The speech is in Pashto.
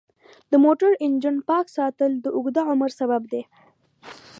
د موټر انجن پاک ساتل د اوږده عمر سبب دی.